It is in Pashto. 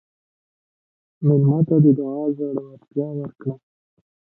مېلمه ته د دعا زړورتیا ورکړه.